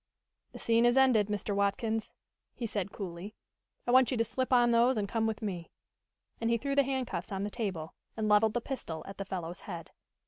"The scene is ended, Mr. Watkins," he said coolly. "I want you to slip on those and come with me." And he threw the handcuffs on the table, and leveled the pistol at the fellow's head.